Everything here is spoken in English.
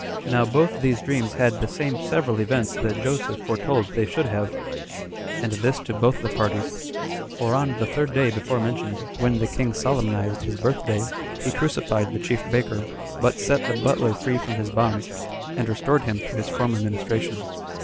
Now both these dreams had the same several events that Joseph foretold they should have, and this to both the parties; for on the third day before mentioned, when the king solemnized his birth day, he crucified the chief baker, but set the butler free from his bonds, and restored him to his former ministration.